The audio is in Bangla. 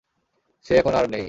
সে এখন আর নেই।